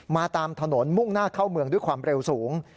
ตามถนนมุ่งหน้าเข้าเมืองด้วยความเร็วสูง